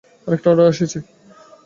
আরেকটা অর্ডার এসেছে!